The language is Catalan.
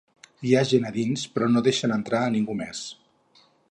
Hi ha gent a dins, però no deixen entrar a ningú més.